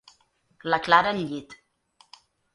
La Clara al llit.